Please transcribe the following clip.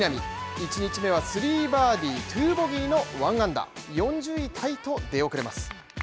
１日目はスリーバーディー、２ボギーの１アンダー４０位タイと出遅れます。